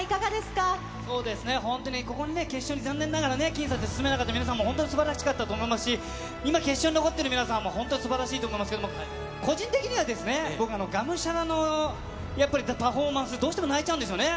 そうですね、本当にここにね、決勝に残念ながら僅差で進めなかった皆さんも、本当にすばらしかったと思いますし、今、決勝に残っている皆さんも本当にすばらしいと思いますけども、個人的にはですね、僕、我無沙羅のやっぱりパフォーマンス、どうしても泣いちゃうんですよね。